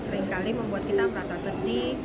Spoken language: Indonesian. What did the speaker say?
seringkali membuat kita merasa sedih